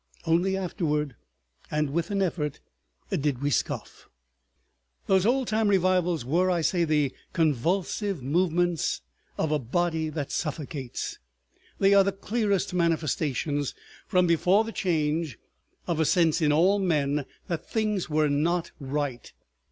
Only afterward and with an effort did we scoff. ... Those old time revivals were, I say, the convulsive movements of a body that suffocates. They are the clearest manifestations from before the Change of a sense in all men that things were not right.